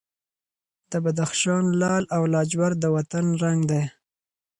د بدخشان لعل او لاجورد د وطن رنګ دی.